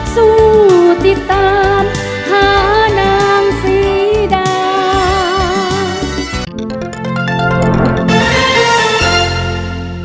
สุทธิตามหานามสิดา